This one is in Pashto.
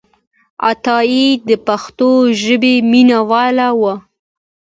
عطایي د پښتو ژبې مینهوال و.